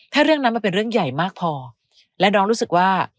ถ้าเรื่องนั้นมันเป็นเรื่องใหญ่มากพอและน้องรู้สึกว่า